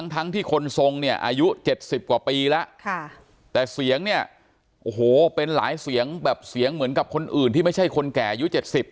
ทั้งที่คนทรงเนี่ยอายุ๗๐กว่าปีแล้วแต่เสียงเนี่ยโอ้โหเป็นหลายเสียงแบบเสียงเหมือนกับคนอื่นที่ไม่ใช่คนแก่อายุ๗๐